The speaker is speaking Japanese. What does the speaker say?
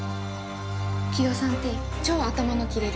木戸さんって超頭の切れる